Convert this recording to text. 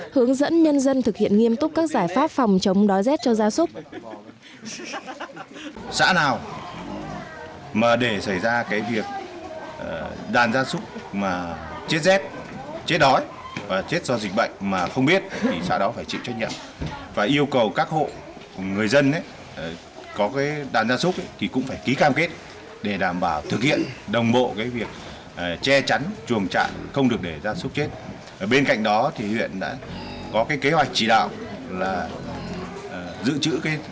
hướng dẫn nhân dân thực hiện nghiêm túc các giải pháp phòng chống đói xét cho gia súc